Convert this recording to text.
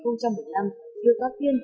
năm hai nghìn một mươi năm điếu tá tiên